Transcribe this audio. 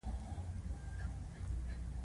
بدرنګه نیت ښه پلان هم خرابوي